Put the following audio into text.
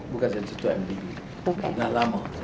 bukan saja sudah dua mdb